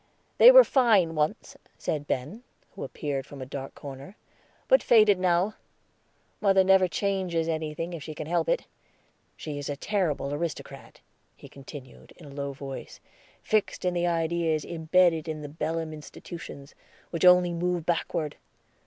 "They were fine once," said Ben, who appeared from a dark corner, "but faded now. Mother never changes anything if she can help it. She is a terrible aristocrat," he continued, in a low voice, "fixed in the ideas imbedded in the Belem institutions, which only move backward.